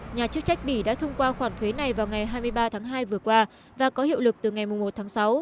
nhà chức trách bỉ đã thông qua khoản thuế này vào ngày hai mươi ba tháng hai vừa qua và có hiệu lực từ ngày một tháng sáu